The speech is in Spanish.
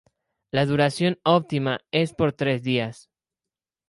La duración óptima es por tres días.